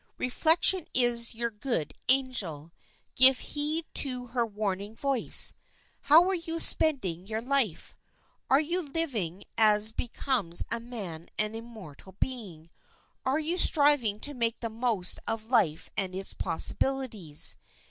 Reflection is your good angel; give heed to her warning voice. How are you spending your life? Are you living as becomes a man and immortal being? Are you striving to make the most of life and its possibilities?